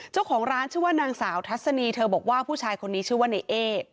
เจ้าของร้านชื่อว่านางสาวทัศนีเธอบอกว่าผู้ชายคนนี้ชื่อว่าในเอ